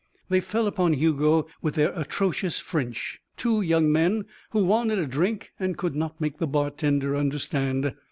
They fell upon Hugo with their atrocious French two young men who wanted a drink and could not make the bar tender understand.